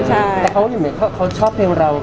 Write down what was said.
แต่จริงแล้วเขาก็ไม่ได้กลิ่นกันว่าถ้าเราจะมีเพลงไทยก็ได้